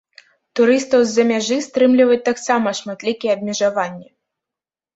Турыстаў з-за мяжы стрымліваюць таксама шматлікія абмежаванні.